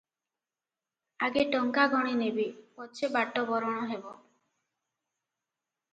ଆଗେ ଟଙ୍କା ଗଣିନେବେ, ପଛେ ବାଟବରଣ ହେବ ।